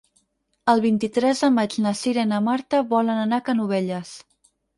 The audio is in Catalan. El vint-i-tres de maig na Cira i na Marta volen anar a Canovelles.